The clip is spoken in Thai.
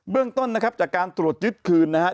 เรื่องต้นนะครับจากการตรวจยึดคืนนะฮะ